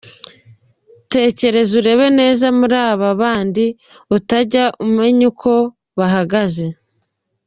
Tekereza urebe neza muri ba bandi utajya umenya ko bahageze.